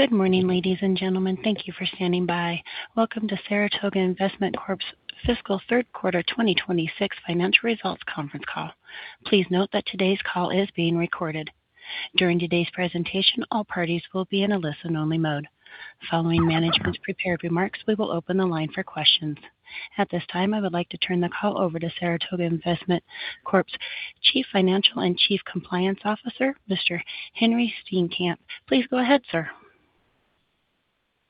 Good morning, ladies and gentlemen. Thank you for standing by. Welcome to Saratoga Investment Corp's fiscal third quarter 2026 financial results conference call. Please note that today's call is being recorded. During today's presentation, all parties will be in a listen-only mode. Following management's prepared remarks, we will open the line for questions. At this time, I would like to turn the call over to Saratoga Investment Corp's Chief Financial and Chief Compliance Officer, Mr. Henri Steenkamp. Please go ahead, sir.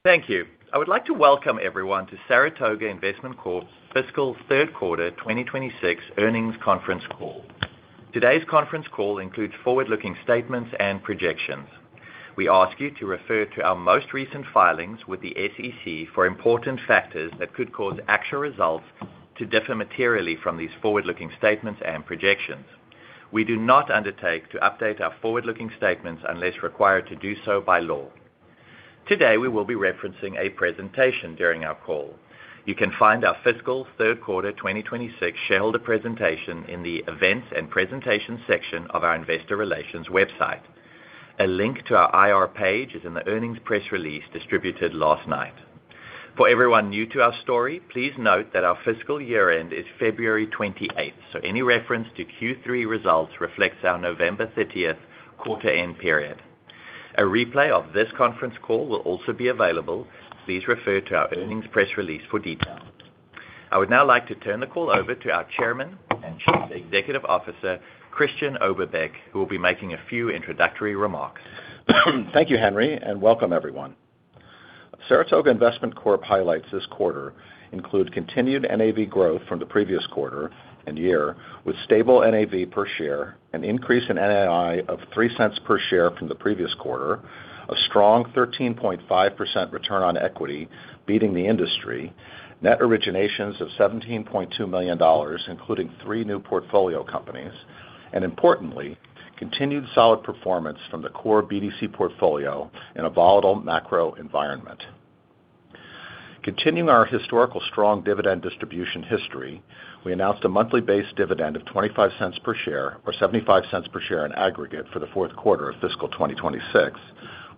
Thank you. I would like to welcome everyone to Saratoga Investment Corp's fiscal third quarter 2026 earnings conference call. Today's conference call includes forward-looking statements and projections. We ask you to refer to our most recent filings with the SEC for important factors that could cause actual results to differ materially from these forward-looking statements and projections. We do not undertake to update our forward-looking statements unless required to do so by law. Today, we will be referencing a presentation during our call. You can find our fiscal third quarter 2026 shareholder presentation in the events and presentations section of our investor relations website. A link to our IR page is in the earnings press release distributed last night. For everyone new to our story, please note that our fiscal year-end is February 28th, so any reference to Q3 results reflects our November 30th quarter-end period. A replay of this conference call will also be available. Please refer to our earnings press release for details. I would now like to turn the call over to our Chairman and Chief Executive Officer, Christian Oberbeck, who will be making a few introductory remarks. Thank you, Henri, and welcome everyone. Saratoga Investment Corp highlights this quarter include continued NAV growth from the previous quarter and year, with stable NAV per share, an increase in NII of $0.03 per share from the previous quarter, a strong 13.5% return on equity beating the industry, net originations of $17.2 million, including three new portfolio companies, and importantly, continued solid performance from the core BDC portfolio in a volatile macro environment. Continuing our historical strong dividend distribution history, we announced a monthly base dividend of $0.25 per share or $0.75 per share in aggregate for the fourth quarter of fiscal 2026,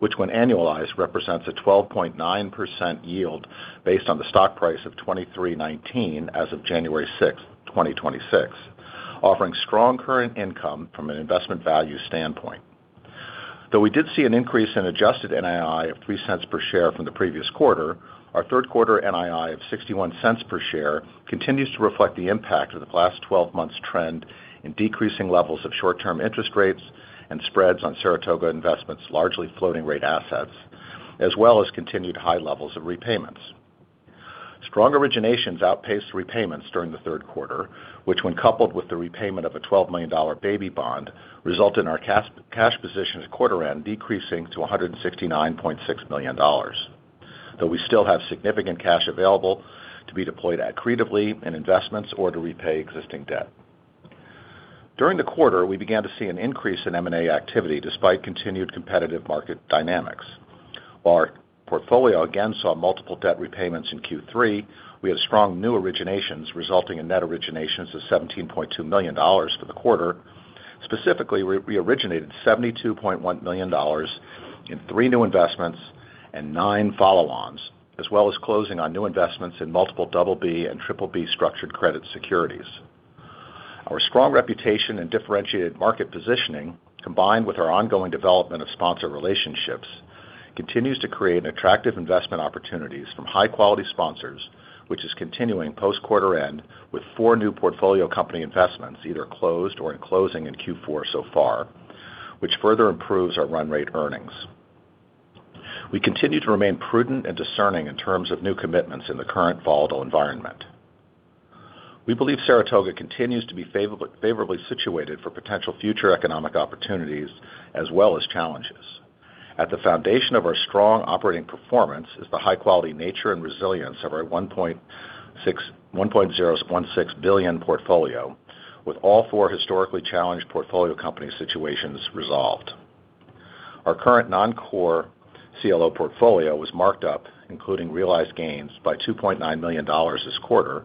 which when annualized represents a 12.9% yield based on the stock price of $23.19 as of January 6th, 2026, offering strong current income from an investment value standpoint. Though we did see an increase in adjusted NII of $0.03 per share from the previous quarter, our third quarter NII of $0.61 per share continues to reflect the impact of the last 12 months' trend in decreasing levels of short-term interest rates and spreads on Saratoga Investment's largely floating-rate assets, as well as continued high levels of repayments. Strong originations outpaced repayments during the third quarter, which when coupled with the repayment of a $12 million baby bond, resulted in our cash position at quarter-end decreasing to $169.6 million, though we still have significant cash available to be deployed accretively in investments or to repay existing debt. During the quarter, we began to see an increase in M&A activity despite continued competitive market dynamics. While our portfolio again saw multiple debt repayments in Q3, we had strong new originations resulting in net originations of $17.2 million for the quarter. Specifically, we originated $72.1 million in three new investments and nine follow-ons, as well as closing on new investments in multiple BB and BBB structured credit securities. Our strong reputation and differentiated market positioning, combined with our ongoing development of sponsor relationships, continues to create attractive investment opportunities from high-quality sponsors, which is continuing post-quarter-end with four new portfolio company investments either closed or in closing in Q4 so far, which further improves our run-rate earnings. We continue to remain prudent and discerning in terms of new commitments in the current volatile environment. We believe Saratoga continues to be favorably situated for potential future economic opportunities as well as challenges. At the foundation of our strong operating performance is the high-quality nature and resilience of our $1.016 billion portfolio, with all four historically challenged portfolio company situations resolved. Our current non-core CLO portfolio was marked up, including realized gains, by $2.9 million this quarter,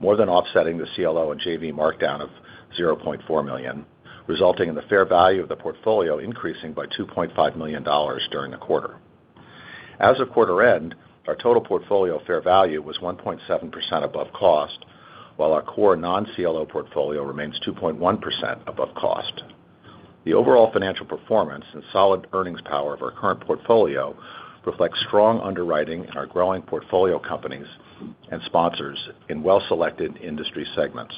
more than offsetting the CLO and JV markdown of $0.4 million, resulting in the fair value of the portfolio increasing by $2.5 million during the quarter. As of quarter-end, our total portfolio fair value was 1.7% above cost, while our core non-CLO portfolio remains 2.1% above cost. The overall financial performance and solid earnings power of our current portfolio reflects strong underwriting in our growing portfolio companies and sponsors in well-selected industry segments.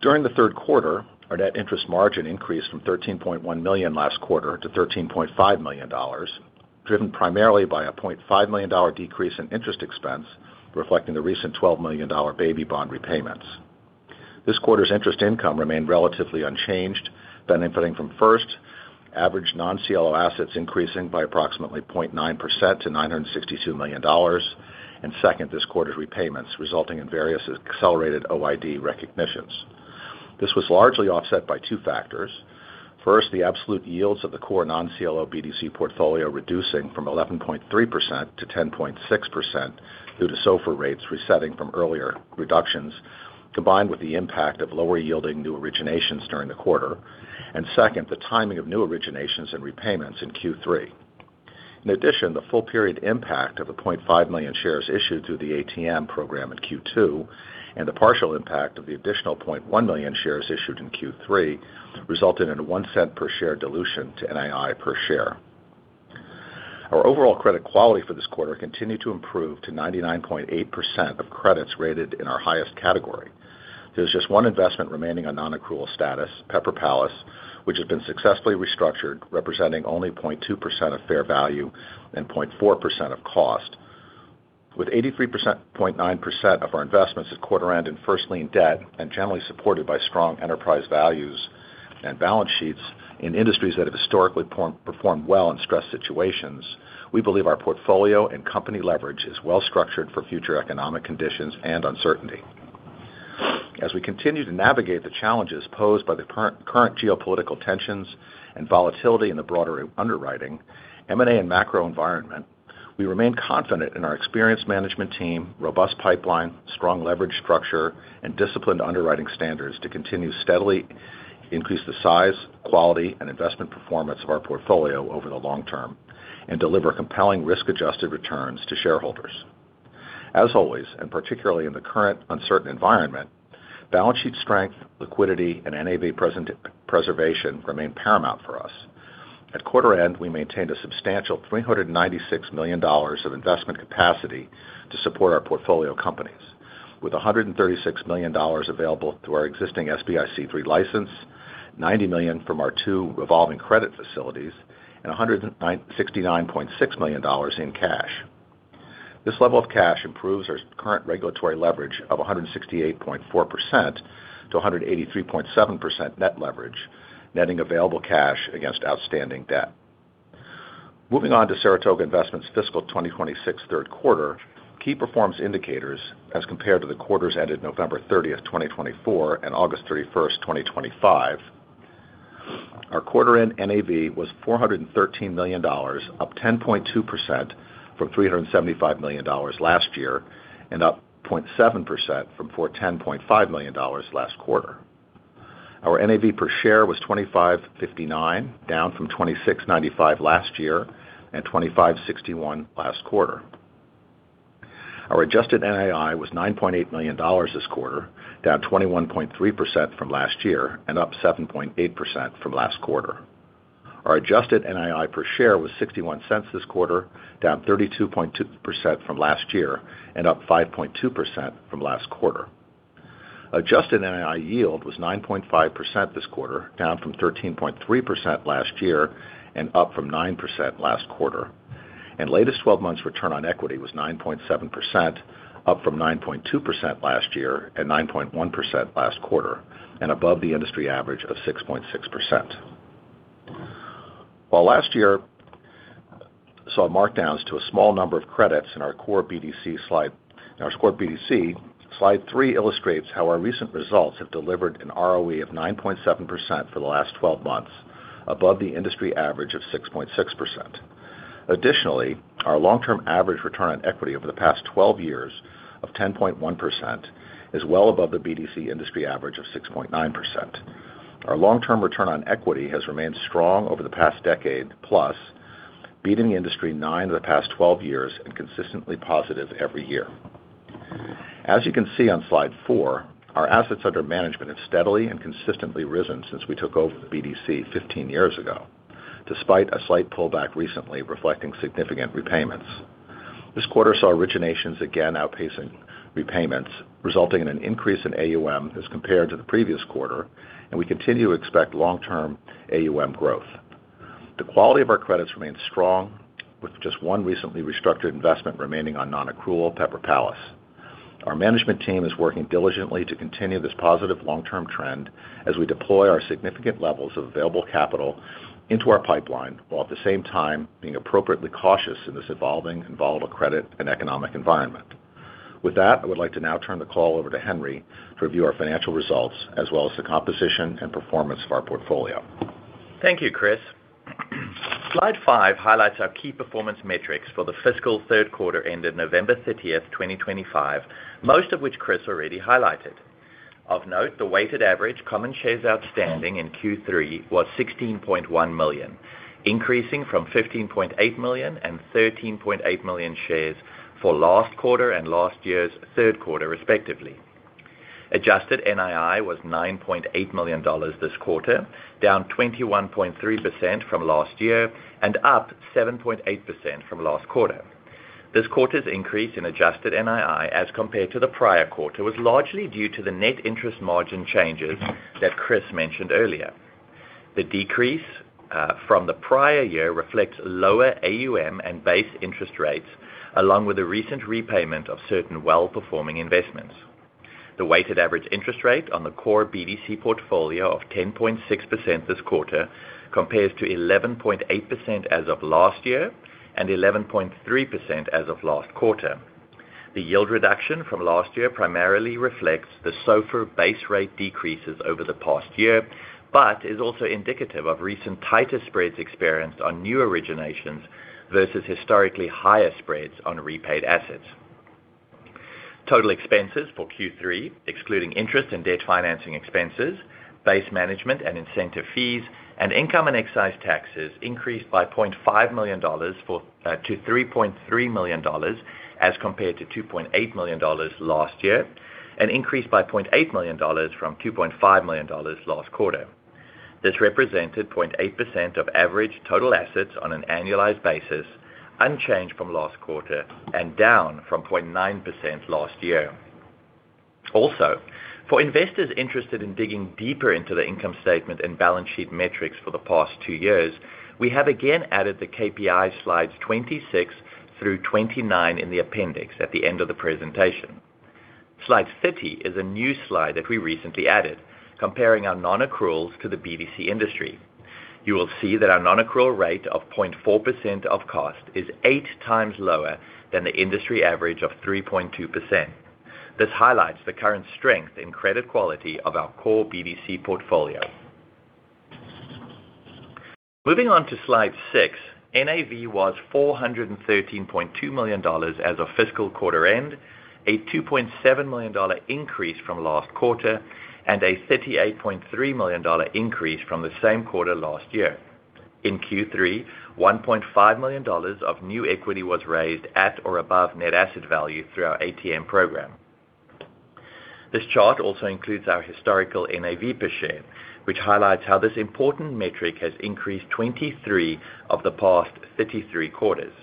During the third quarter, our net interest margin increased from $13.1 million last quarter to $13.5 million, driven primarily by a $0.5 million decrease in interest expense, reflecting the recent $12 million baby bond repayments. This quarter's interest income remained relatively unchanged, benefiting from first, average non-CLO assets increasing by approximately 0.9% to $962 million, and second, this quarter's repayments, resulting in various accelerated OID recognitions. This was largely offset by two factors. First, the absolute yields of the core non-CLO BDC portfolio reducing from 11.3% to 10.6% due to SOFR rates resetting from earlier reductions, combined with the impact of lower-yielding new originations during the quarter, and second, the timing of new originations and repayments in Q3. In addition, the full-period impact of the 0.5 million shares issued through the ATM program in Q2 and the partial impact of the additional 0.1 million shares issued in Q3 resulted in a $0.01 share dilution to NII per share. Our overall credit quality for this quarter continued to improve to 99.8% of credits rated in our highest category. There's just one investment remaining on non-accrual status, Pepper Palace, which has been successfully restructured, representing only 0.2% of fair value and 0.4% of cost. With 83.9% of our investments at quarter-end in first-lien debt and generally supported by strong enterprise values and balance sheets in industries that have historically performed well in stress situations, we believe our portfolio and company leverage is well-structured for future economic conditions and uncertainty. As we continue to navigate the challenges posed by the current geopolitical tensions and volatility in the broader underwriting, M&A and macro environment, we remain confident in our experienced management team, robust pipeline, strong leverage structure, and disciplined underwriting standards to continue steadily increasing the size, quality, and investment performance of our portfolio over the long term and deliver compelling risk-adjusted returns to shareholders. As always, and particularly in the current uncertain environment, balance sheet strength, liquidity, and NAV preservation remain paramount for us. At quarter-end, we maintained a substantial $396 million of investment capacity to support our portfolio companies, with $136 million available through our existing SBIC III license, $90 million from our two revolving credit facilities, and $169.6 million in cash. This level of cash improves our current regulatory leverage of 168.4%-183.7% net leverage, netting available cash against outstanding debt. Moving on to Saratoga Investment's fiscal 2026 third quarter, key performance indicators as compared to the quarters ended November 30th, 2024, and August 31st, 2025. Our quarter-end NAV was $413 million, up 10.2% from $375 million last year and up 0.7% from $410.5 million last quarter. Our NAV per share was $25.59, down from $26.95 last year and $25.61 last quarter. Our adjusted NII was $9.8 million this quarter, down 21.3% from last year and up 7.8% from last quarter. Our adjusted NII per share was $0.61 this quarter, down 32.2% from last year and up 5.2% from last quarter. Adjusted NII yield was 9.5% this quarter, down from 13.3% last year and up from 9% last quarter. And latest 12 months' return on equity was 9.7%, up from 9.2% last year and 9.1% last quarter, and above the industry average of 6.6%. While last year saw markdowns to a small number of credits in our core BDC slide, our core BDC slide three illustrates how our recent results have delivered an ROE of 9.7% for the last 12 months, above the industry average of 6.6%. Additionally, our long-term average return on equity over the past 12 years of 10.1% is well above the BDC industry average of 6.9%. Our long-term return on equity has remained strong over the past decade, plus beating industry nine of the past 12 years and consistently positive every year. As you can see on slide four, our assets under management have steadily and consistently risen since we took over the BDC 15 years ago, despite a slight pullback recently reflecting significant repayments. This quarter saw originations again outpacing repayments, resulting in an increase in AUM as compared to the previous quarter, and we continue to expect long-term AUM growth. The quality of our credits remains strong, with just one recently restructured investment remaining on non-accrual, Pepper Palace. Our management team is working diligently to continue this positive long-term trend as we deploy our significant levels of available capital into our pipeline while at the same time being appropriately cautious in this evolving and volatile credit and economic environment. With that, I would like to now turn the call over to Henri to review our financial results as well as the composition and performance of our portfolio. Thank you, Chris. Slide five highlights our key performance metrics for the fiscal third quarter ended November 30th, 2025, most of which Chris already highlighted. Of note, the weighted average common shares outstanding in Q3 was 16.1 million, increasing from 15.8 million and 13.8 million shares for last quarter and last year's third quarter, respectively. Adjusted NII was $9.8 million this quarter, down 21.3% from last year and up 7.8% from last quarter. This quarter's increase in adjusted NII as compared to the prior quarter was largely due to the net interest margin changes that Chris mentioned earlier. The decrease from the prior year reflects lower AUM and base interest rates, along with the recent repayment of certain well-performing investments. The weighted average interest rate on the core BDC portfolio of 10.6% this quarter compares to 11.8% as of last year and 11.3% as of last quarter. The yield reduction from last year primarily reflects the SOFR base rate decreases over the past year but is also indicative of recent tighter spreads experienced on new originations versus historically higher spreads on repaid assets. Total expenses for Q3, excluding interest and debt financing expenses, base management and incentive fees, and income and excise taxes increased by $0.5 million to $3.3 million as compared to $2.8 million last year, and increased by $0.8 million from $2.5 million last quarter. This represented 0.8% of average total assets on an annualized basis, unchanged from last quarter and down from 0.9% last year. Also, for investors interested in digging deeper into the income statement and balance sheet metrics for the past two years, we have again added the KPI slides 26 through 29 in the appendix at the end of the presentation. Slide 30 is a new slide that we recently added, comparing our non-accruals to the BDC industry. You will see that our non-accrual rate of 0.4% of cost is eight times lower than the industry average of 3.2%. This highlights the current strength in credit quality of our core BDC portfolio. Moving on to slide six, NAV was $413.2 million as of fiscal quarter-end, a $2.7 million increase from last quarter, and a $38.3 million increase from the same quarter last year. In Q3, $1.5 million of new equity was raised at or above net asset value through our ATM program. This chart also includes our historical NAV per share, which highlights how this important metric has increased 23 of the past 33 quarters.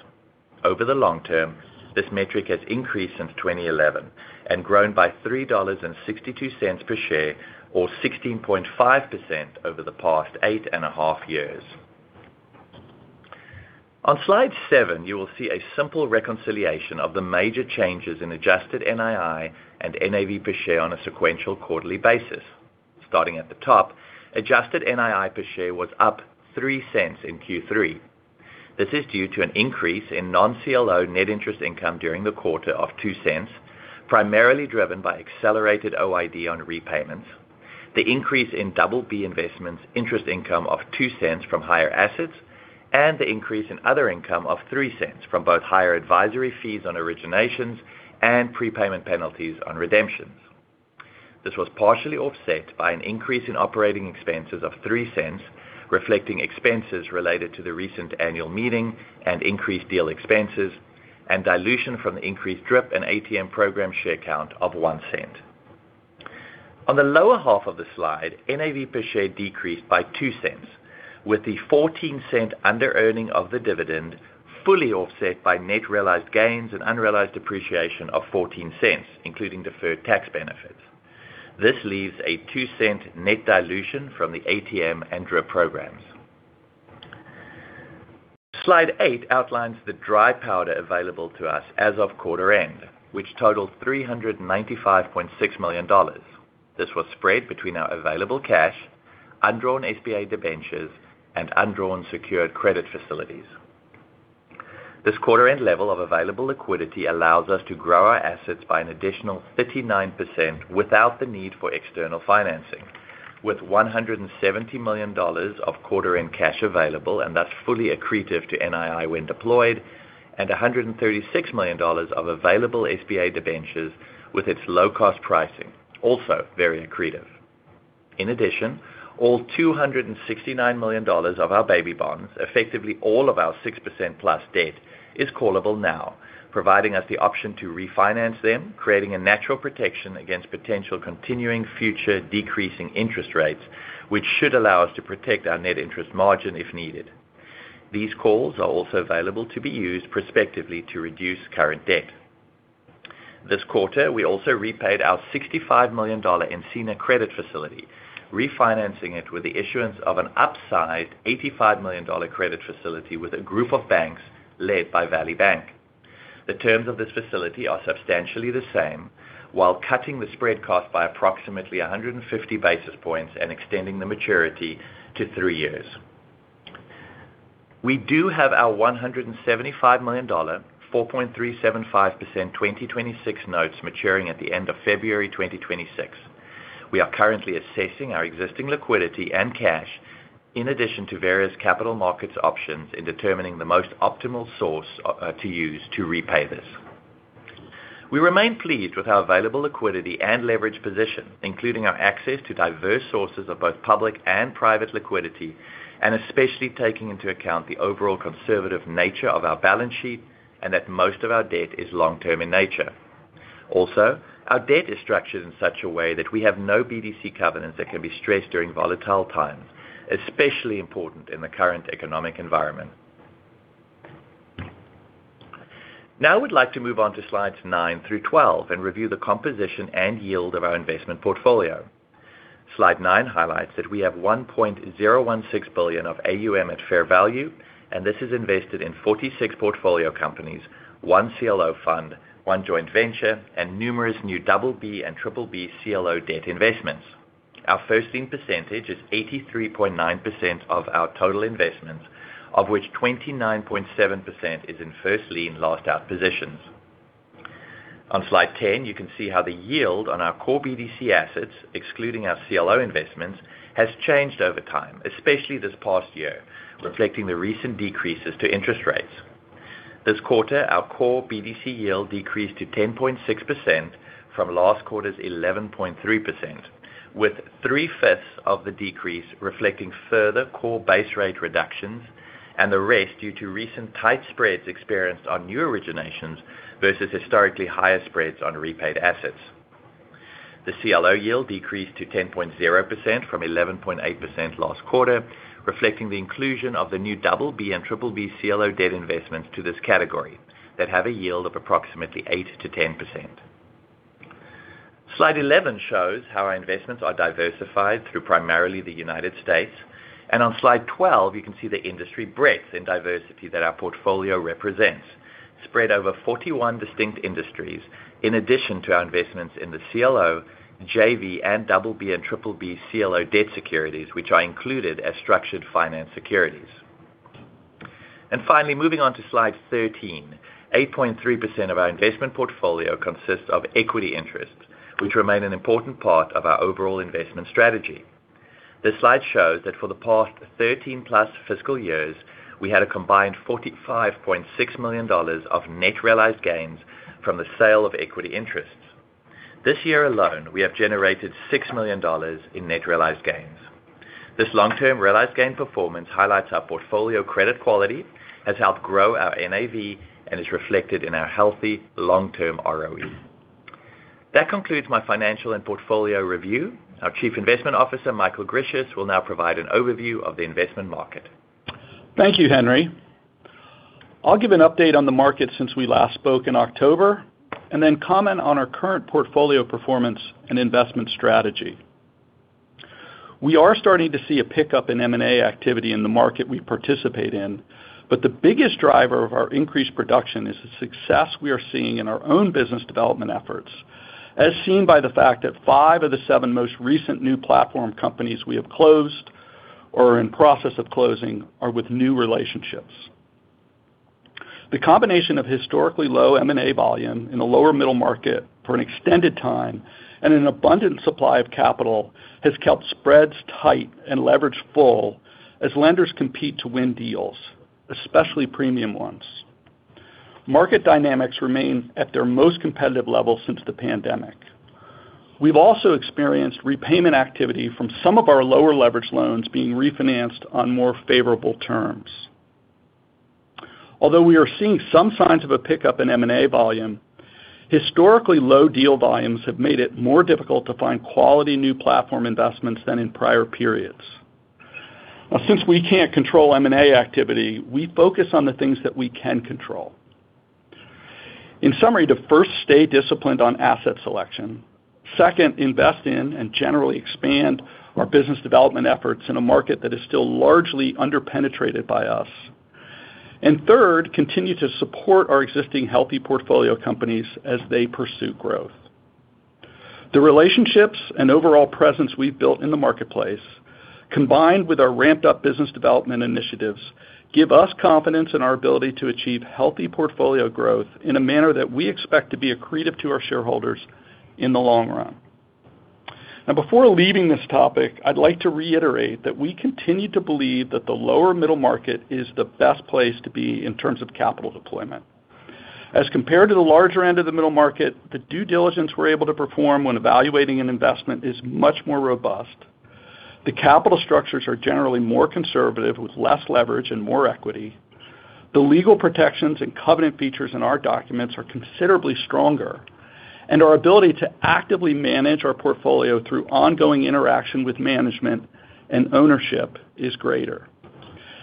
Over the long term, this metric has increased since 2011 and grown by $3.62 per share, or 16.5% over the past eight and a half years. On slide seven, you will see a simple reconciliation of the major changes in adjusted NII and NAV per share on a sequential quarterly basis. Starting at the top, adjusted NII per share was up $0.03 in Q3. This is due to an increase in non-CLO net interest income during the quarter of $0.02, primarily driven by accelerated OID on repayments, the increase in BB investments' interest income of $0.02 from higher assets, and the increase in other income of $0.03 from both higher advisory fees on originations and prepayment penalties on redemptions. This was partially offset by an increase in operating expenses of $0.03, reflecting expenses related to the recent annual meeting and increased deal expenses, and dilution from the increased DRIP and ATM program share count of $0.01. On the lower half of the slide, NAV per share decreased by $0.02, with the $0.14 under-earning of the dividend fully offset by net realized gains and unrealized depreciation of $0.14, including deferred tax benefits. This leaves a $0.02 net dilution from the ATM and DRIP programs. Slide eight outlines the dry powder available to us as of quarter-end, which totaled $395.6 million. This was spread between our available cash, undrawn SBA debentures, and undrawn secured credit facilities. This quarter-end level of available liquidity allows us to grow our assets by an additional 39% without the need for external financing, with $170 million of quarter-end cash available and thus fully accretive to NII when deployed, and $136 million of available SBA debentures with its low-cost pricing, also very accretive. In addition, all $269 million of our baby bonds, effectively all of our 6% plus debt, is callable now, providing us the option to refinance them, creating a natural protection against potential continuing future decreasing interest rates, which should allow us to protect our net interest margin if needed. These calls are also available to be used prospectively to reduce current debt. This quarter, we also repaid our $65 million Encina credit facility, refinancing it with the issuance of an upsized $85 million credit facility with a group of banks led by Valley Bank. The terms of this facility are substantially the same, while cutting the spread cost by approximately 150 basis points and extending the maturity to three years. We do have our $175 million, 4.375% 2026 notes maturing at the end of February 2026. We are currently assessing our existing liquidity and cash, in addition to various capital markets options in determining the most optimal source to use to repay this. We remain pleased with our available liquidity and leverage position, including our access to diverse sources of both public and private liquidity, and especially taking into account the overall conservative nature of our balance sheet and that most of our debt is long-term in nature. Also, our debt is structured in such a way that we have no BDC covenants that can be stressed during volatile times, especially important in the current economic environment. Now I would like to move on to slides nine through 12 and review the composition and yield of our investment portfolio. Slide nine highlights that we have $1.016 billion of AUM at fair value, and this is invested in 46 portfolio companies, one CLO fund, one joint venture, and numerous new BB and BBB CLO debt investments. Our first-lien percentage is 83.9% of our total investments, of which 29.7% is in first-lien last-out positions. On slide ten, you can see how the yield on our core BDC assets, excluding our CLO investments, has changed over time, especially this past year, reflecting the recent decreases to interest rates. This quarter, our core BDC yield decreased to 10.6% from last quarter's 11.3%, with three-fifths of the decrease reflecting further core base rate reductions and the rest due to recent tight spreads experienced on new originations versus historically higher spreads on repaid assets. The CLO yield decreased to 10.0% from 11.8% last quarter, reflecting the inclusion of the new BB and BBB CLO debt investments to this category that have a yield of approximately 8%-10%. Slide 11 shows how our investments are diversified through primarily the United States, and on slide 12, you can see the industry breadth and diversity that our portfolio represents, spread over 41 distinct industries, in addition to our investments in the CLO, JV, and BB and BBB CLO debt securities, which are included as structured finance securities. And finally, moving on to slide 13, 8.3% of our investment portfolio consists of equity interests, which remain an important part of our overall investment strategy. This slide shows that for the past 13 plus fiscal years, we had a combined $45.6 million of net realized gains from the sale of equity interests. This year alone, we have generated $6 million in net realized gains. This long-term realized gain performance highlights our portfolio credit quality, has helped grow our NAV, and is reflected in our healthy long-term ROE. That concludes my financial and portfolio review. Our Chief Investment Officer, Michael Grisius, will now provide an overview of the investment market. Thank you, Henri. I'll give an update on the market since we last spoke in October, and then comment on our current portfolio performance and investment strategy. We are starting to see a pickup in M&A activity in the market we participate in, but the biggest driver of our increased production is the success we are seeing in our own business development efforts, as seen by the fact that five of the seven most recent new platform companies we have closed or are in process of closing are with new relationships. The combination of historically low M&A volume in the lower middle market for an extended time and an abundant supply of capital has kept spreads tight and leverage full as lenders compete to win deals, especially premium ones. Market dynamics remain at their most competitive level since the pandemic. We've also experienced repayment activity from some of our lower leverage loans being refinanced on more favorable terms. Although we are seeing some signs of a pickup in M&A volume, historically low deal volumes have made it more difficult to find quality new platform investments than in prior periods. Now, since we can't control M&A activity, we focus on the things that we can control. In summary, to first, stay disciplined on asset selection, second, invest in and generally expand our business development efforts in a market that is still largely underpenetrated by us, and third, continue to support our existing healthy portfolio companies as they pursue growth. The relationships and overall presence we've built in the marketplace, combined with our ramped-up business development initiatives, give us confidence in our ability to achieve healthy portfolio growth in a manner that we expect to be accretive to our shareholders in the long run. Now, before leaving this topic, I'd like to reiterate that we continue to believe that the lower middle market is the best place to be in terms of capital deployment. As compared to the larger end of the middle market, the due diligence we're able to perform when evaluating an investment is much more robust. The capital structures are generally more conservative, with less leverage and more equity. The legal protections and covenant features in our documents are considerably stronger, and our ability to actively manage our portfolio through ongoing interaction with management and ownership is greater.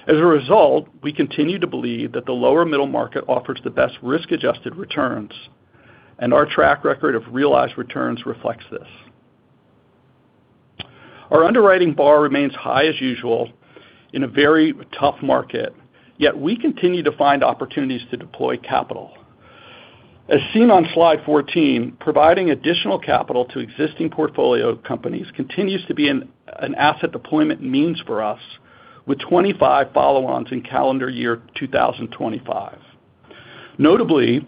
As a result, we continue to believe that the lower middle market offers the best risk-adjusted returns, and our track record of realized returns reflects this. Our underwriting bar remains high as usual in a very tough market, yet we continue to find opportunities to deploy capital. As seen on slide fourteen, providing additional capital to existing portfolio companies continues to be an asset deployment means for us, with 25 follow-ons in calendar year 2025. Notably,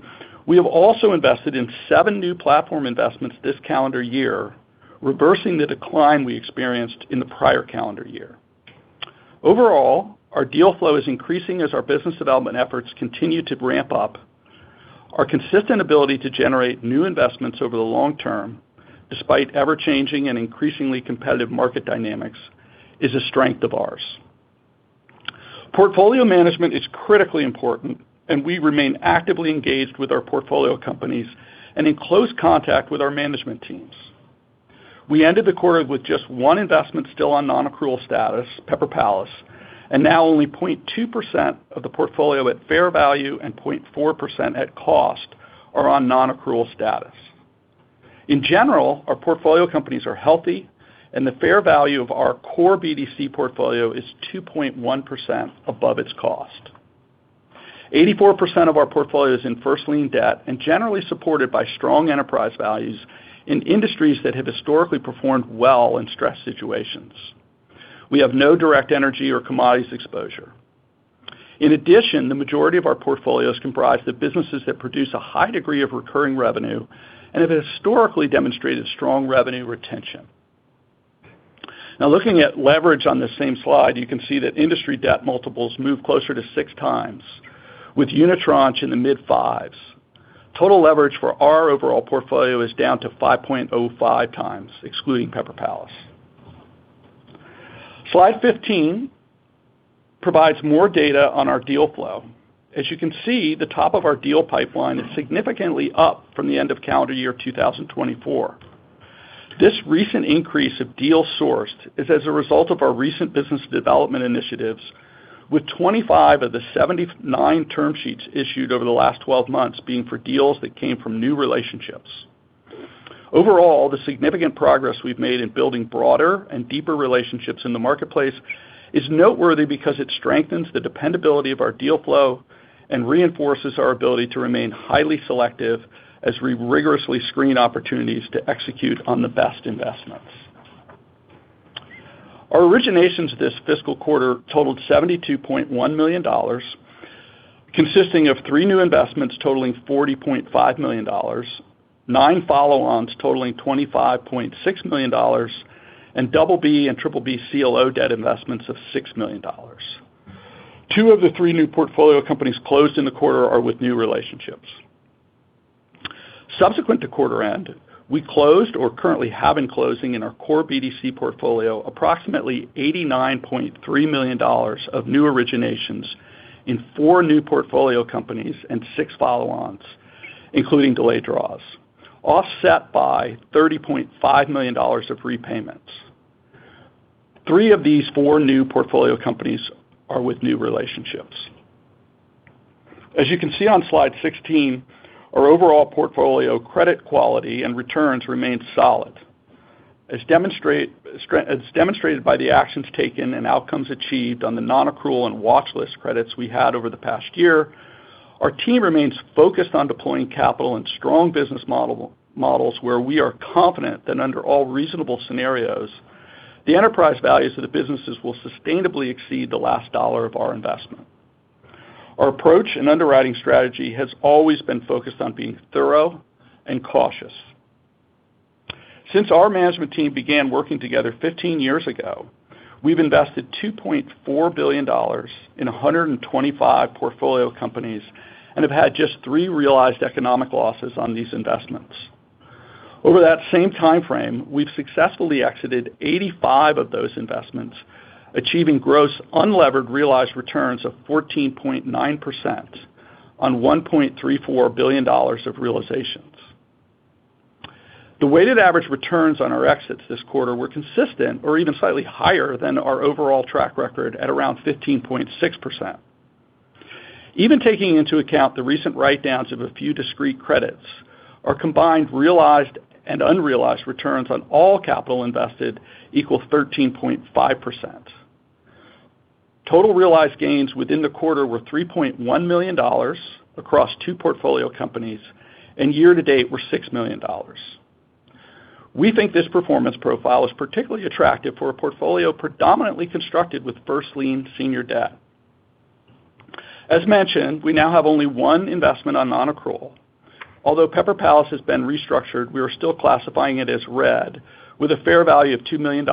we have also invested in seven new platform investments this calendar year, reversing the decline we experienced in the prior calendar year. Overall, our deal flow is increasing as our business development efforts continue to ramp up. Our consistent ability to generate new investments over the long term, despite ever-changing and increasingly competitive market dynamics, is a strength of ours. Portfolio management is critically important, and we remain actively engaged with our portfolio companies and in close contact with our management teams. We ended the quarter with just one investment still on non-accrual status, Pepper Palace, and now only 0.2% of the portfolio at fair value and 0.4% at cost are on non-accrual status. In general, our portfolio companies are healthy, and the fair value of our core BDC portfolio is 2.1% above its cost. 84% of our portfolio is in first-lien debt and generally supported by strong enterprise values in industries that have historically performed well in stress situations. We have no direct energy or commodities exposure. In addition, the majority of our portfolios comprise the businesses that produce a high degree of recurring revenue and have historically demonstrated strong revenue retention. Now, looking at leverage on the same slide, you can see that industry debt multiples move closer to six times, with unitranche in the mid-fives. Total leverage for our overall portfolio is down to 5.05 times, excluding Pepper Palace. Slide fifteen provides more data on our deal flow. As you can see, the top of our deal pipeline is significantly up from the end of calendar year 2024. This recent increase of deal sourced is as a result of our recent business development initiatives, with 25 of the 79 term sheets issued over the last 12 months being for deals that came from new relationships. Overall, the significant progress we've made in building broader and deeper relationships in the marketplace is noteworthy because it strengthens the dependability of our deal flow and reinforces our ability to remain highly selective as we rigorously screen opportunities to execute on the best investments. Our originations this fiscal quarter totaled $72.1 million, consisting of three new investments totaling $40.5 million, nine follow-ons totaling $25.6 million, and BB and BBB CLO debt investments of $6 million. Two of the three new portfolio companies closed in the quarter are with new relationships. Subsequent to quarter end, we closed or currently have in closing in our core BDC portfolio approximately $89.3 million of new originations in four new portfolio companies and six follow-ons, including delayed draws, offset by $30.5 million of repayments. Three of these four new portfolio companies are with new relationships. As you can see on slide sixteen, our overall portfolio credit quality and returns remain solid. As demonstrated by the actions taken and outcomes achieved on the non-accrual and watchlist credits we had over the past year, our team remains focused on deploying capital and strong business models where we are confident that under all reasonable scenarios, the enterprise values of the businesses will sustainably exceed the last dollar of our investment. Our approach and underwriting strategy has always been focused on being thorough and cautious. Since our management team began working together fifteen years ago, we've invested $2.4 billion in 125 portfolio companies and have had just three realized economic losses on these investments. Over that same timeframe, we've successfully exited 85 of those investments, achieving gross unlevered realized returns of 14.9% on $1.34 billion of realizations. The weighted average returns on our exits this quarter were consistent or even slightly higher than our overall track record at around 15.6%. Even taking into account the recent write-downs of a few discrete credits, our combined realized and unrealized returns on all capital invested equal 13.5%. Total realized gains within the quarter were $3.1 million across two portfolio companies, and year to date were $6 million. We think this performance profile is particularly attractive for a portfolio predominantly constructed with first-lien senior debt. As mentioned, we now have only one investment on non-accrual. Although Pepper Palace has been restructured, we are still classifying it as red with a fair value of $2 million.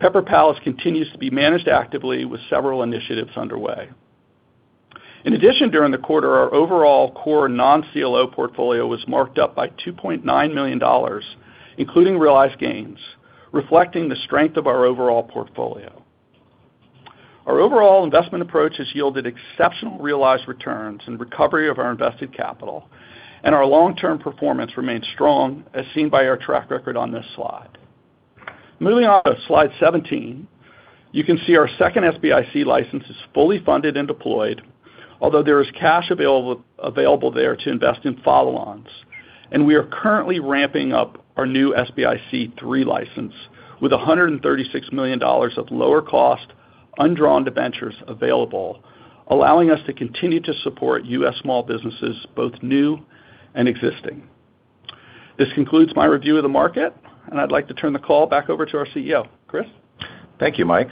Pepper Palace continues to be managed actively with several initiatives underway. In addition, during the quarter, our overall core non-CLO portfolio was marked up by $2.9 million, including realized gains, reflecting the strength of our overall portfolio. Our overall investment approach has yielded exceptional realized returns and recovery of our invested capital, and our long-term performance remains strong, as seen by our track record on this slide. Moving on to slide 17, you can see our second SBIC license is fully funded and deployed, although there is cash available there to invest in follow-ons, and we are currently ramping up our new SBIC III license with $136 million of lower-cost undrawn debentures available, allowing us to continue to support U.S. small businesses, both new and existing. This concludes my review of the market, and I'd like to turn the call back over to our CEO, Chris. Thank you, Mike.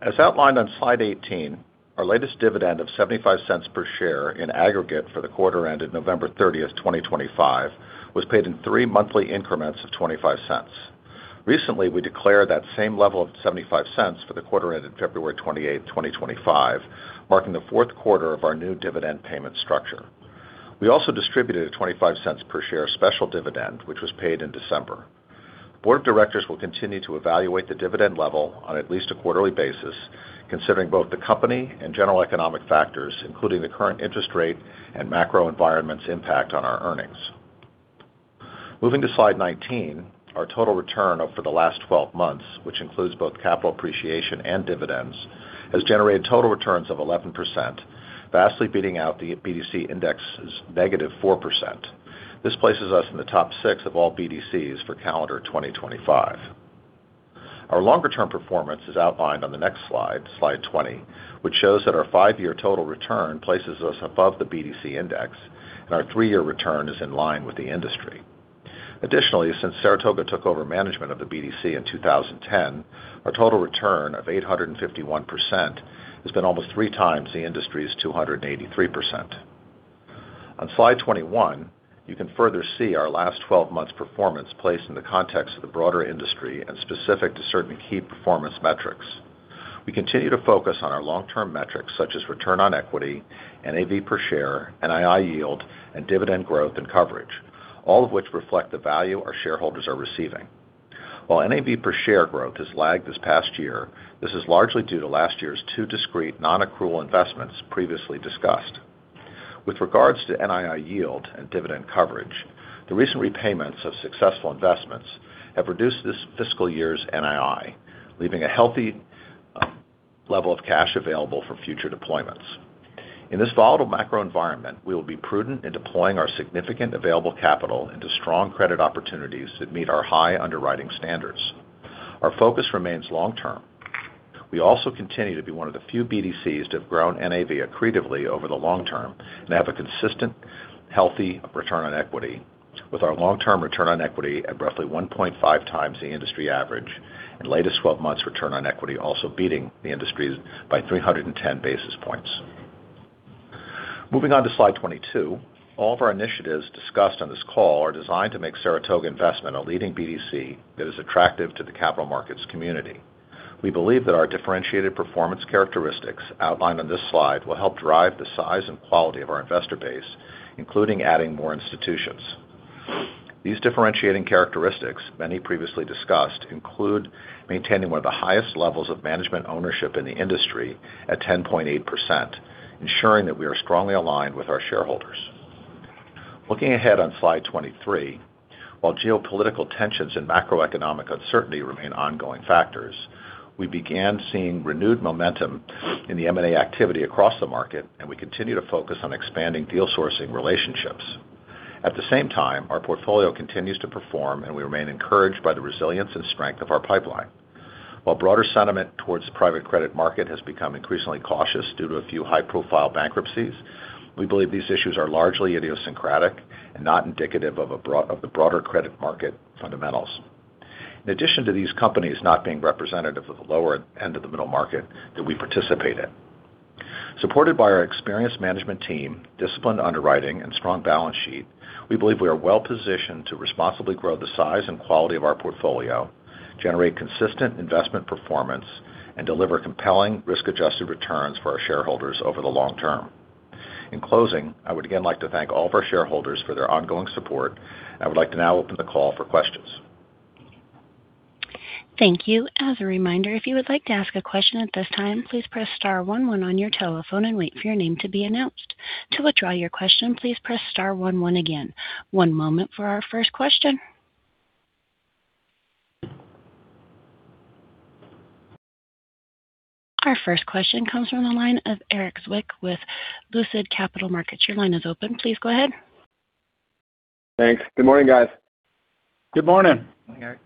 As outlined on slide eighteen, our latest dividend of $0.75 per share in aggregate for the quarter ended November 30, 2025, was paid in three monthly increments of $0.25. Recently, we declared that same level of $0.75 for the quarter ended February 28, 2025, marking the fourth quarter of our new dividend payment structure. We also distributed a $0.25 per share special dividend, which was paid in December. Board of Directors will continue to evaluate the dividend level on at least a quarterly basis, considering both the company and general economic factors, including the current interest rate and macro environment's impact on our earnings. Moving to slide nineteen, our total return over the last twelve months, which includes both capital appreciation and dividends, has generated total returns of 11%, vastly beating out the BDC index's negative 4%. This places us in the top six of all BDCs for calendar 2025. Our longer-term performance is outlined on the next slide, slide 20, which shows that our five-year total return places us above the BDC index, and our three-year return is in line with the industry. Additionally, since Saratoga took over management of the BDC in 2010, our total return of 851% has been almost three times the industry's 283%. On slide 21, you can further see our last 12 months' performance placed in the context of the broader industry and specific to certain key performance metrics. We continue to focus on our long-term metrics such as return on equity, NAV per share, NII yield, and dividend growth and coverage, all of which reflect the value our shareholders are receiving. While NAV per share growth has lagged this past year, this is largely due to last year's two discrete non-accrual investments previously discussed. With regards to NII yield and dividend coverage, the recent repayments of successful investments have reduced this fiscal year's NII, leaving a healthy level of cash available for future deployments. In this volatile macro environment, we will be prudent in deploying our significant available capital into strong credit opportunities that meet our high underwriting standards. Our focus remains long-term. We also continue to be one of the few BDCs to have grown NAV accretively over the long term and have a consistent, healthy return on equity, with our long-term return on equity at roughly 1.5 times the industry average, and latest twelve months' return on equity also beating the industry's by 310 basis points. Moving on to slide twenty-two, all of our initiatives discussed on this call are designed to make Saratoga Investment a leading BDC that is attractive to the capital markets community. We believe that our differentiated performance characteristics outlined on this slide will help drive the size and quality of our investor base, including adding more institutions. These differentiating characteristics, many previously discussed, include maintaining one of the highest levels of management ownership in the industry at 10.8%, ensuring that we are strongly aligned with our shareholders. Looking ahead on slide twenty-three, while geopolitical tensions and macroeconomic uncertainty remain ongoing factors, we began seeing renewed momentum in the M&A activity across the market, and we continue to focus on expanding deal sourcing relationships. At the same time, our portfolio continues to perform, and we remain encouraged by the resilience and strength of our pipeline. While broader sentiment towards the private credit market has become increasingly cautious due to a few high-profile bankruptcies, we believe these issues are largely idiosyncratic and not indicative of the broader credit market fundamentals, in addition to these companies not being representative of the lower end of the middle market that we participate in. Supported by our experienced management team, disciplined underwriting, and strong balance sheet, we believe we are well-positioned to responsibly grow the size and quality of our portfolio, generate consistent investment performance, and deliver compelling risk-adjusted returns for our shareholders over the long term. In closing, I would again like to thank all of our shareholders for their ongoing support, and I would like to now open the call for questions. Thank you. As a reminder, if you would like to ask a question at this time, please press star 11 on your telephone and wait for your name to be announced. To withdraw your question, please press star 11 again. One moment for our first question. Our first question comes from the line of Erik Zwick with Lucid Capital Markets. Your line is open. Please go ahead. Thanks. Good morning, guys. Good morning. Morning, Erik.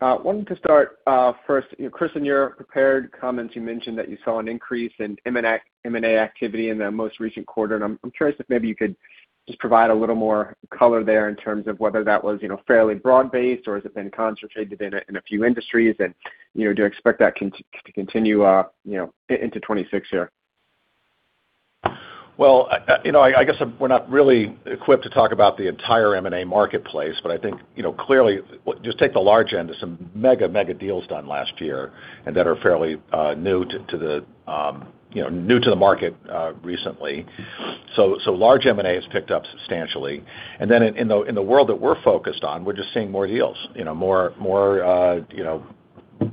Wanted to start first, Chris, in your prepared comments, you mentioned that you saw an increase in M&A activity in the most recent quarter, and I'm curious if maybe you could just provide a little more color there in terms of whether that was fairly broad-based or has it been concentrated in a few industries, and do you expect that to continue into 2026 here? I guess we're not really equipped to talk about the entire M&A marketplace, but I think clearly just take the large end, there's some mega, mega deals done last year that are fairly new to the market recently. Large M&A has picked up substantially. Then in the world that we're focused on, we're just seeing more deals,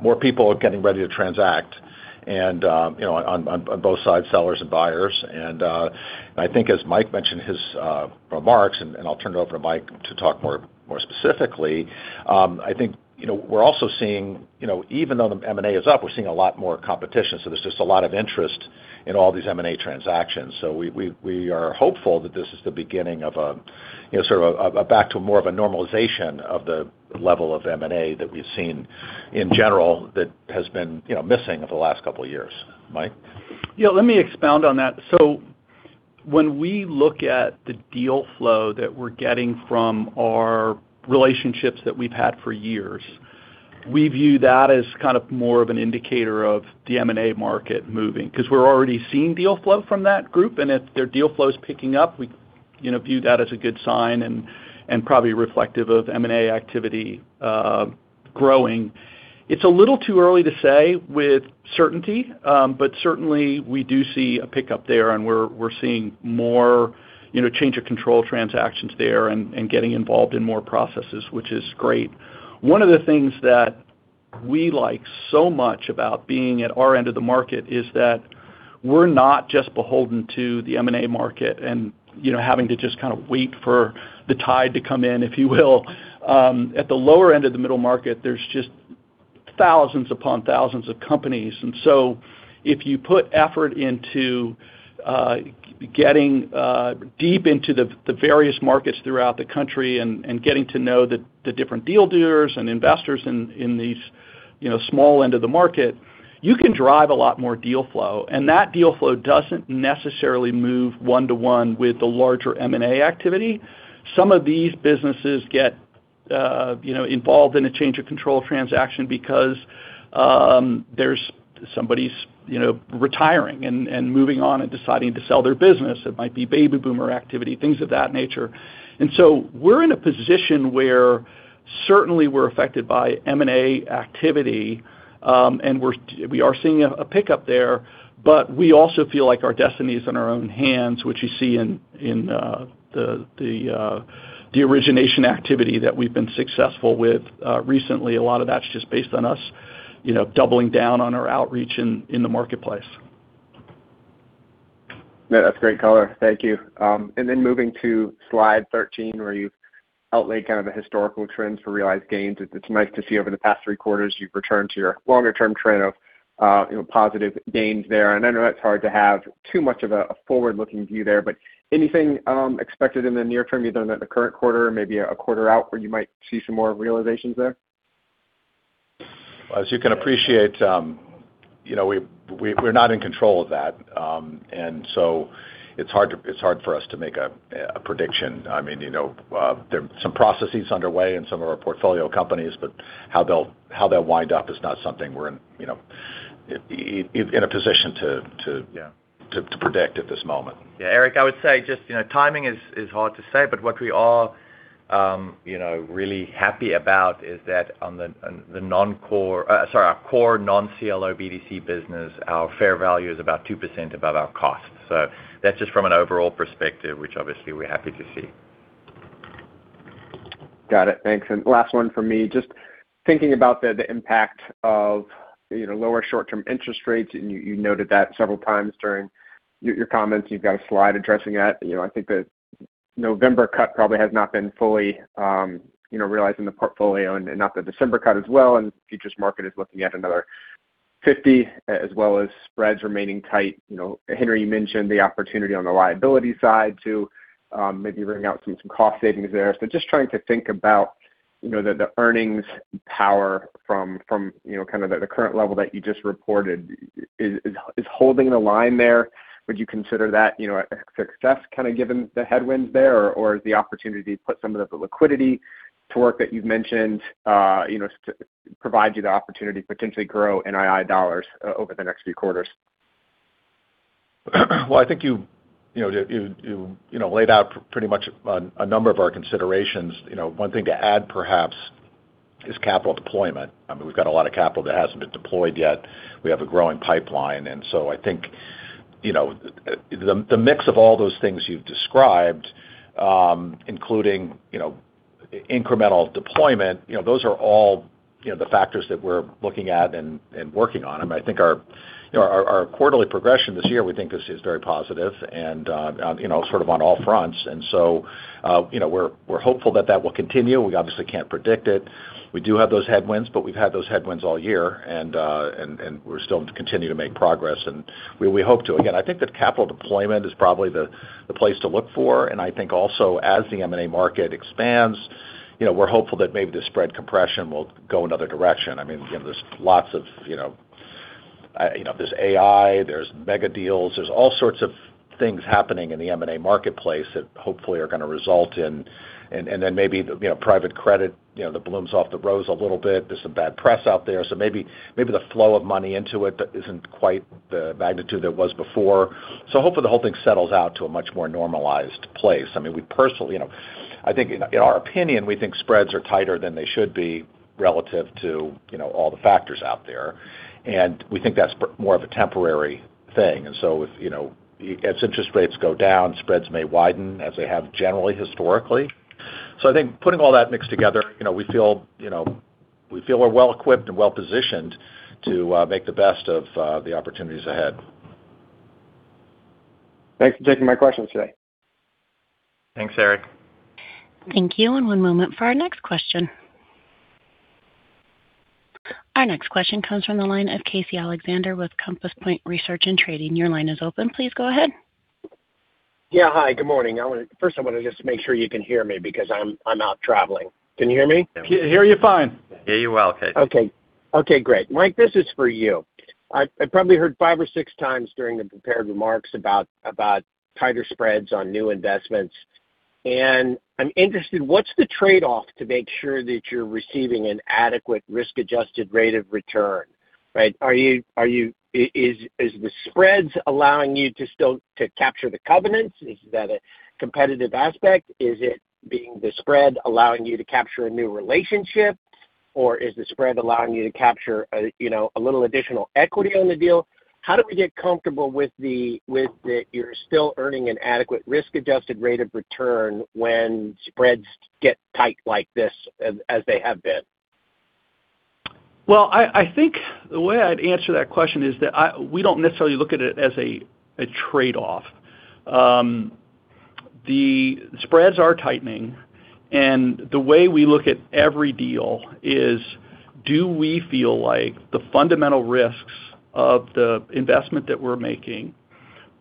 more people getting ready to transact on both sides, sellers and buyers. I think as Mike mentioned his remarks, and I'll turn it over to Mike to talk more specifically, I think we're also seeing, even though the M&A is up, we're seeing a lot more competition. There's just a lot of interest in all these M&A transactions. So we are hopeful that this is the beginning of a sort of a back to more of a normalization of the level of M&A that we've seen in general that has been missing over the last couple of years. Mike? Yeah, let me expound on that. So when we look at the deal flow that we're getting from our relationships that we've had for years, we view that as kind of more of an indicator of the M&A market moving because we're already seeing deal flow from that group, and if their deal flow is picking up, we view that as a good sign and probably reflective of M&A activity growing. It's a little too early to say with certainty, but certainly we do see a pickup there, and we're seeing more change of control transactions there and getting involved in more processes, which is great. One of the things that we like so much about being at our end of the market is that we're not just beholden to the M&A market and having to just kind of wait for the tide to come in, if you will. At the lower end of the middle market, there's just thousands upon thousands of companies, and so if you put effort into getting deep into the various markets throughout the country and getting to know the different deal doers and investors in these small end of the market, you can drive a lot more deal flow, and that deal flow doesn't necessarily move one-to-one with the larger M&A activity. Some of these businesses get involved in a change of control transaction because somebody's retiring and moving on and deciding to sell their business. It might be baby boomer activity, things of that nature, and so we're in a position where certainly we're affected by M&A activity, and we are seeing a pickup there, but we also feel like our destiny is in our own hands, which you see in the origination activity that we've been successful with recently. A lot of that's just based on us doubling down on our outreach in the marketplace. Yeah, that's great color. Thank you. And then moving to slide 13, where you've outlined kind of the historical trends for realized gains, it's nice to see over the past three quarters you've returned to your longer-term trend of positive gains there. And I know it's hard to have too much of a forward-looking view there, but anything expected in the near term, either in the current quarter or maybe a quarter out, where you might see some more realizations there? As you can appreciate, we're not in control of that, and so it's hard for us to make a prediction. I mean, there are some processes underway in some of our portfolio companies, but how they'll wind up is not something we're in a position to predict at this moment. Yeah, Erik, I would say just timing is hard to say, but what we are really happy about is that on the non-core, sorry, our core non-CLO BDC business, our fair value is about 2% above our cost. So that's just from an overall perspective, which obviously we're happy to see. Got it. Thanks. And last one from me. Just thinking about the impact of lower short-term interest rates, and you noted that several times during your comments, and you've got a slide addressing that. I think the November cut probably has not been fully realized in the portfolio and not the December cut as well. And futures market is looking at another 50 as well as spreads remaining tight. Henri, you mentioned the opportunity on the liability side to maybe bring out some cost savings there. So, just trying to think about the earnings power from kind of the current level that you just reported is holding the line there. Would you consider that a success, kind of given the headwinds there, or is the opportunity to put some of the liquidity to work that you've mentioned to provide you the opportunity to potentially grow NII dollars over the next few quarters? I think you laid out pretty much a number of our considerations. One thing to add perhaps is capital deployment. I mean, we've got a lot of capital that hasn't been deployed yet. We have a growing pipeline. And so I think the mix of all those things you've described, including incremental deployment, those are all the factors that we're looking at and working on. I mean, I think our quarterly progression this year, we think, is very positive and sort of on all fronts. And so we're hopeful that that will continue. We obviously can't predict it. We do have those headwinds, but we've had those headwinds all year, and we're still continuing to make progress, and we hope to. Again, I think that capital deployment is probably the place to look for. I think also, as the M&A market expands, we're hopeful that maybe the spread compression will go another direction. I mean, there's lots of, there's AI, there's mega deals, there's all sorts of things happening in the M&A marketplace that hopefully are going to result in, and then maybe private credit, the bloom is off the rose a little bit. There's some bad press out there. So maybe the flow of money into it isn't quite the magnitude that it was before. So hopefully the whole thing settles out to a much more normalized place. I mean, we personally, I think in our opinion, we think spreads are tighter than they should be relative to all the factors out there, and we think that's more of a temporary thing. And so as interest rates go down, spreads may widen as they have generally historically. So I think putting all that mix together, we feel we're well-equipped and well-positioned to make the best of the opportunities ahead. Thanks for taking my questions today. Thanks, Erik. Thank you. And one moment for our next question. Our next question comes from the line of Casey Alexander with Compass Point Research and Trading. Your line is open. Please go ahead. Yeah, hi. Good morning. First, I want to just make sure you can hear me because I'm out traveling. Can you hear me? Hear you fine. Hear you well, Casey. Okay. Okay, great. Mike, this is for you. I probably heard five or six times during the prepared remarks about tighter spreads on new investments. I'm interested, what's the trade-off to make sure that you're receiving an adequate risk-adjusted rate of return, right? Is the spreads allowing you to still capture the covenants? Is that a competitive aspect? Is it being the spread allowing you to capture a new relationship, or is the spread allowing you to capture a little additional equity on the deal? How do we get comfortable with that you're still earning an adequate risk-adjusted rate of return when spreads get tight like this, as they have been? I think the way I'd answer that question is that we don't necessarily look at it as a trade-off. The spreads are tightening, and the way we look at every deal is, do we feel like the fundamental risks of the investment that we're making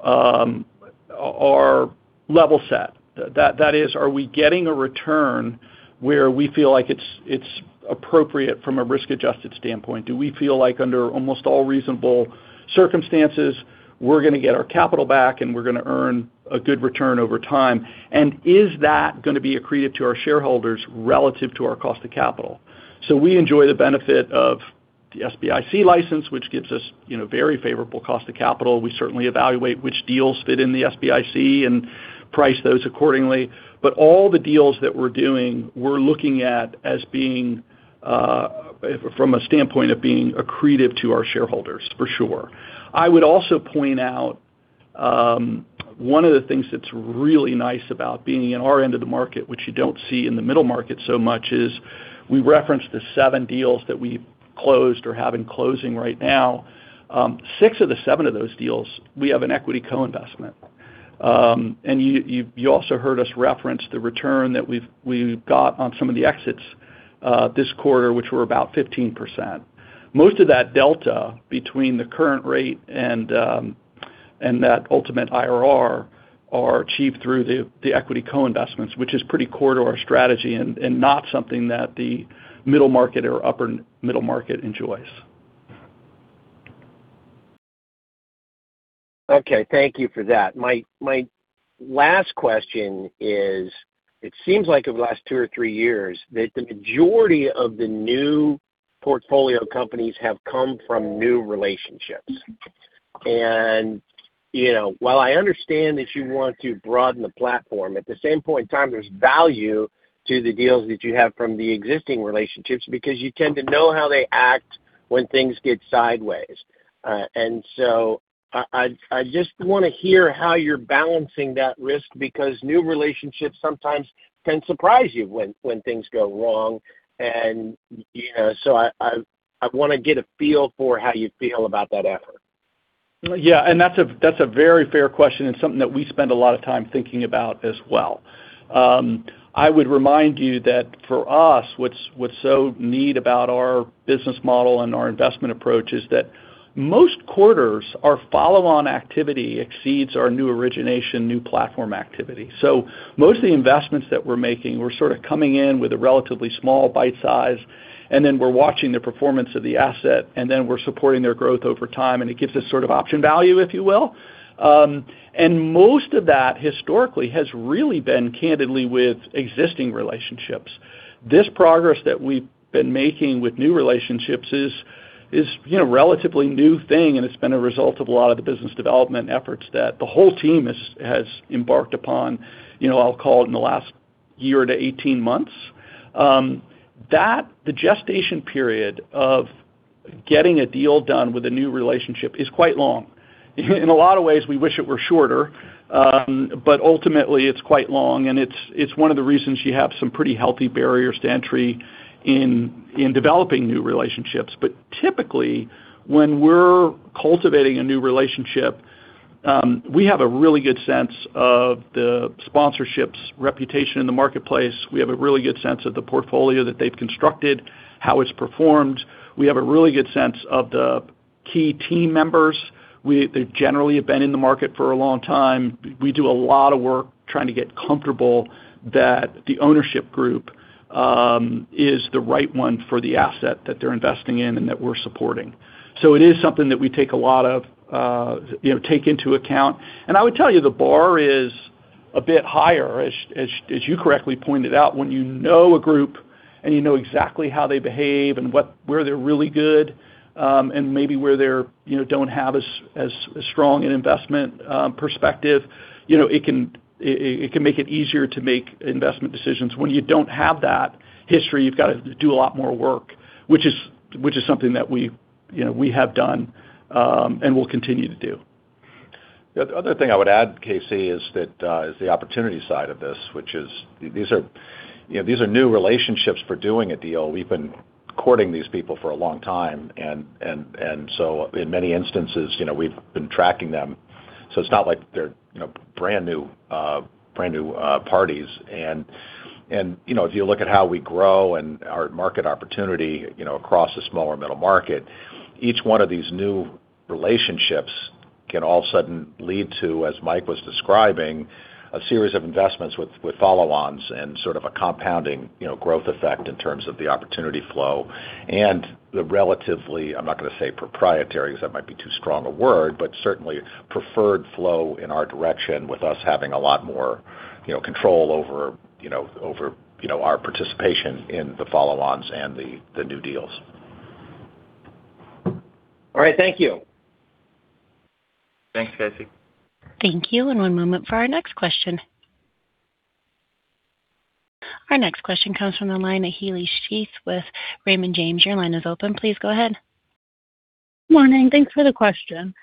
are level-set? That is, are we getting a return where we feel like it's appropriate from a risk-adjusted standpoint? Do we feel like under almost all reasonable circumstances, we're going to get our capital back and we're going to earn a good return over time? And is that going to be accretive to our shareholders relative to our cost of capital? So we enjoy the benefit of the SBIC license, which gives us very favorable cost of capital. We certainly evaluate which deals fit in the SBIC and price those accordingly. But all the deals that we're doing, we're looking at as being from a standpoint of being accretive to our shareholders, for sure. I would also point out one of the things that's really nice about being in our end of the market, which you don't see in the middle market so much, is we reference the seven deals that we closed or have in closing right now. Six of the seven of those deals, we have an equity co-investment. And you also heard us reference the return that we've got on some of the exits this quarter, which were about 15%. Most of that delta between the current rate and that ultimate IRR are achieved through the equity co-investments, which is pretty core to our strategy and not something that the middle market or upper middle market enjoys. Okay. Thank you for that. My last question is, it seems like over the last two or three years, that the majority of the new portfolio companies have come from new relationships. And while I understand that you want to broaden the platform, at the same point in time, there's value to the deals that you have from the existing relationships because you tend to know how they act when things get sideways. And so I just want to hear how you're balancing that risk because new relationships sometimes can surprise you when things go wrong. And so I want to get a feel for how you feel about that effort. Yeah, and that's a very fair question and something that we spend a lot of time thinking about as well. I would remind you that for us, what's so neat about our business model and our investment approach is that most quarters our follow-on activity exceeds our new origination, new platform activity, so most of the investments that we're making, we're sort of coming in with a relatively small bite size, and then we're watching the performance of the asset, and then we're supporting their growth over time, and it gives us sort of option value, if you will, and most of that historically has really been candidly with existing relationships. This progress that we've been making with new relationships is a relatively new thing, and it's been a result of a lot of the business development efforts that the whole team has embarked upon, I'll call it in the last year to 18 months. The gestation period of getting a deal done with a new relationship is quite long. In a lot of ways, we wish it were shorter, but ultimately it's quite long, and it's one of the reasons you have some pretty healthy barriers to entry in developing new relationships. But typically, when we're cultivating a new relationship, we have a really good sense of the sponsorship's reputation in the marketplace. We have a really good sense of the portfolio that they've constructed, how it's performed. We have a really good sense of the key team members. They generally have been in the market for a long time. We do a lot of work trying to get comfortable that the ownership group is the right one for the asset that they're investing in and that we're supporting. It is something that we take a lot into account. I would tell you the bar is a bit higher, as you correctly pointed out. When you know a group and you know exactly how they behave and where they're really good and maybe where they don't have as strong an investment perspective, it can make it easier to make investment decisions. When you don't have that history, you've got to do a lot more work, which is something that we have done and will continue to do. The other thing I would add, Casey, is the opportunity side of this, which is these are new relationships for doing a deal. We've been courting these people for a long time, and so in many instances, we've been tracking them. So it's not like they're brand new parties. And if you look at how we grow and our market opportunity across the smaller middle market, each one of these new relationships can all of a sudden lead to, as Mike was describing, a series of investments with follow-ons and sort of a compounding growth effect in terms of the opportunity flow. And the relatively. I'm not going to say proprietary because that might be too strong a word, but certainly preferred flow in our direction with us having a lot more control over our participation in the follow-ons and the new deals. All right. Thank you. Thanks, Casey. Thank you, and one moment for our next question. Our next question comes from the line of Alex Shaye with Raymond James. Your line is open. Please go ahead. Good morning. Thanks for the question.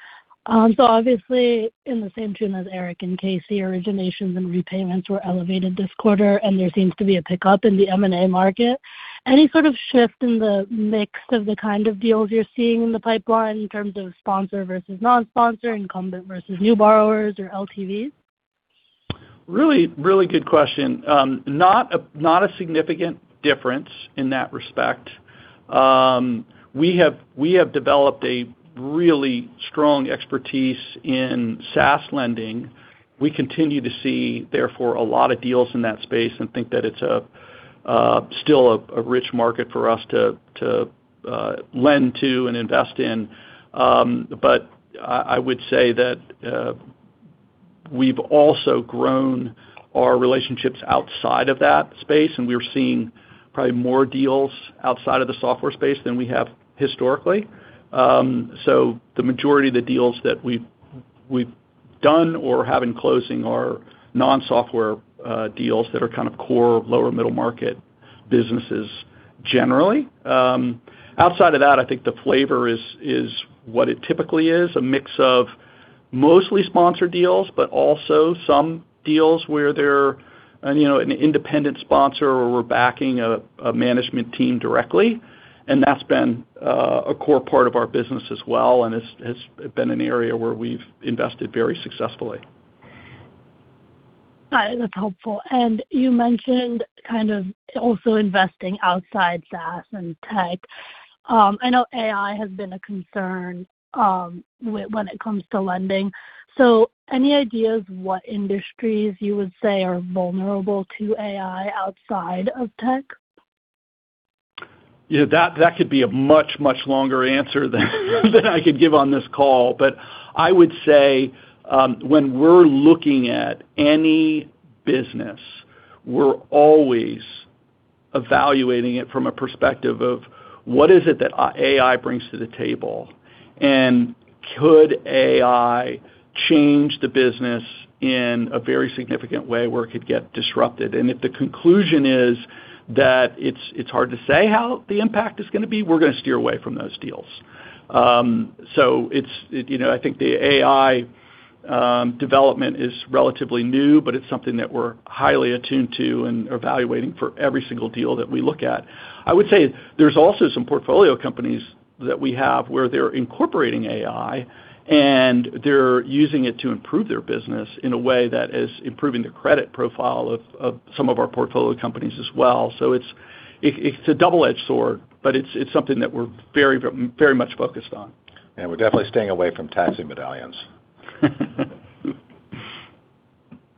So obviously, in the same tone as Erik and Casey, originations and repayments were elevated this quarter, and there seems to be a pickup in the M&A market. Any sort of shift in the mix of the kind of deals you're seeing in the pipeline in terms of sponsor versus non-sponsor, incumbent versus new borrowers, or LTVs? Really, really good question. Not a significant difference in that respect. We have developed a really strong expertise in SaaS lending. We continue to see, therefore, a lot of deals in that space and think that it's still a rich market for us to lend to and invest in. But I would say that we've also grown our relationships outside of that space, and we're seeing probably more deals outside of the software space than we have historically. So the majority of the deals that we've done or have in closing are non-software deals that are kind of core lower middle market businesses generally. Outside of that, I think the flavor is what it typically is: a mix of mostly sponsored deals, but also some deals where they're an independent sponsor or we're backing a management team directly. That's been a core part of our business as well and has been an area where we've invested very successfully. That's helpful, and you mentioned kind of also investing outside SaaS and tech. I know AI has been a concern when it comes to lending, so any ideas what industries you would say are vulnerable to AI outside of tech? Yeah. That could be a much, much longer answer than I could give on this call. But I would say when we're looking at any business, we're always evaluating it from a perspective of what is it that AI brings to the table, and could AI change the business in a very significant way where it could get disrupted? And if the conclusion is that it's hard to say how the impact is going to be, we're going to steer away from those deals. So, I think the AI development is relatively new, but it's something that we're highly attuned to and evaluating for every single deal that we look at. I would say there's also some portfolio companies that we have where they're incorporating AI, and they're using it to improve their business in a way that is improving the credit profile of some of our portfolio companies as well. So, it's a double-edged sword, but it's something that we're very, very much focused on. We're definitely staying away from taxi medallions.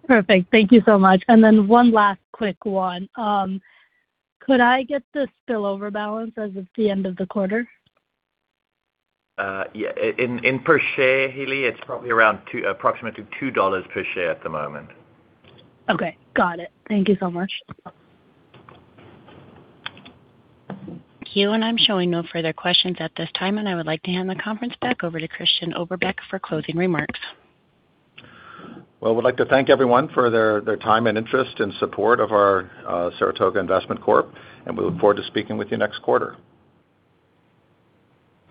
Perfect. Thank you so much. And then one last quick one. Could I get the spillover balance as of the end of the quarter? Yeah. NAV per share, Henri, it's probably around approximately $2 per share at the moment. Okay. Got it. Thank you so much. Thank you. And I'm showing no further questions at this time, and I would like to hand the conference back over to Christian Oberbeck for closing remarks. We'd like to thank everyone for their time and interest and support of our Saratoga Investment Corp, and we look forward to speaking with you next quarter.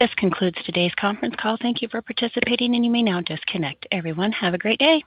This concludes today's conference call. Thank you for participating, and you may now disconnect. Everyone, have a great day.